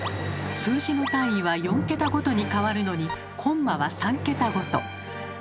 数字の単位は４桁ごとに変わるのにコンマは３桁ごと。